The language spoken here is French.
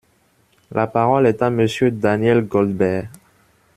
La parole est à Monsieur Daniel Goldberg.